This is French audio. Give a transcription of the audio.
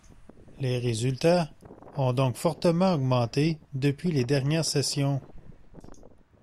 Les résultats ont donc fortement augmenté depuis les dernières sessions.